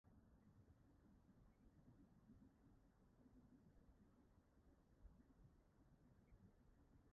Anfonwyd yr achos i lys is ar gyfer camau cyfreithiol pellach.